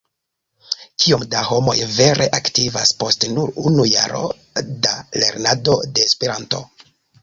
Kiom da homoj vere aktivas post nur unu jaro da lernado de Esperanto?